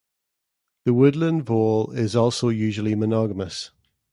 The woodland vole is also usually monogamous.